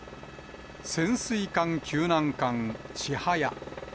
潜水艦救難艦ちはや。